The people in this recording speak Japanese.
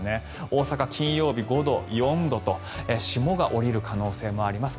大阪、金曜日５度、４度と霜が降りる可能性もあります。